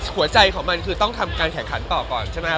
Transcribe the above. หัวใจของมันคือต้องทำการแขนคันจะต่อก่อนนะครับ